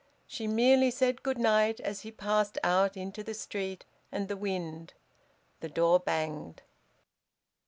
She merely said good night as he passed out into the street and the wind. The door banged.